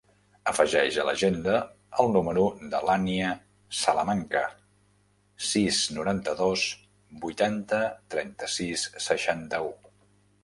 Afegeix a l'agenda el número de l'Ànnia Salamanca: sis, noranta-dos, vuitanta, trenta-sis, seixanta-u.